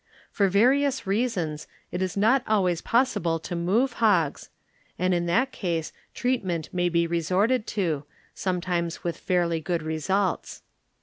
For various reasons if is not always possible to move hogs, and in that case treatment may be re sorted to, sometimes with fairly good re sults.